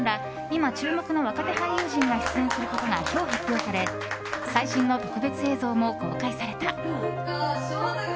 今注目の若手俳優陣が出演することが今日発表され最新の特別映像も公開された。